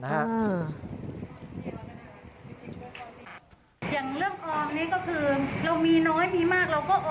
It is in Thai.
อย่างเรื่องออมนี้ก็คือเรามีน้อยมีมากเราก็